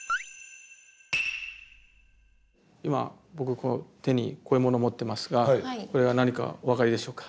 今僕こう手にこういうものを持ってますがこれは何かお分かりでしょうか。